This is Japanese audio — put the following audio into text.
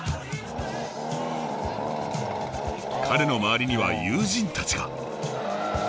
彼の周りには友人たちが。